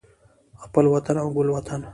خپل وطن او ګل وطن